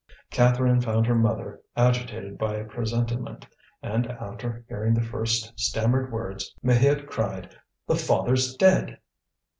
Catherine found her mother agitated by a presentiment; and after hearing the first stammered words Maheude cried: "The father's dead!"